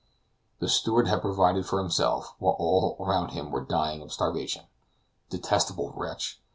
The steward had provided for himself, while all around him were dying of starvation. Detestable wretch!